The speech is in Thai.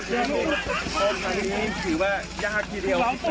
ดูสิคะแต่ละคนกอดคอกันหลั่นน้ำตา